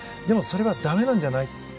でも、それがだめなんじゃない。